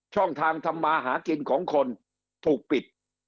ช่องทางทำมาหากินของคนถูกปิด